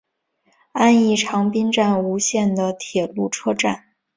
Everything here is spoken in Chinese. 安艺长滨站吴线的铁路车站。